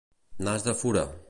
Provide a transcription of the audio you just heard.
Nas de fura.